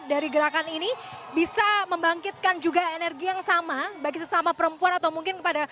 dari gerakan ini bisa membangkitkan juga energi yang sama bagi sesama perempuan atau mungkin kepada